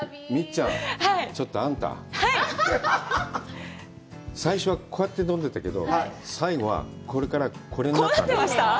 ちょっとあんた最初はこうやって飲んでたけど最後はこれから、これになったよ。